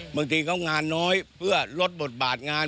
บางทีเขางานน้อยเพื่อลดบทบาทงาน